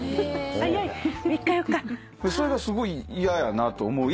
それがすごい嫌やなと思い